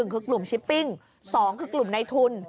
คือกลุ่มชิปปิ้ง๒คือกลุ่มในทุน